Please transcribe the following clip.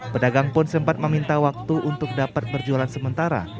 pedagang pun sempat meminta waktu untuk dapat berjualan sementara